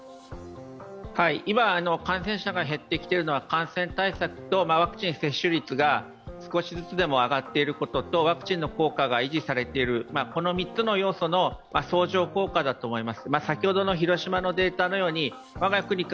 今、感染者が減ってきているのは感染対策とワクチン接種率が少しずつでも上がっていることとワクチンの効果が維持されている、この３つの要素の相乗効果だと思います。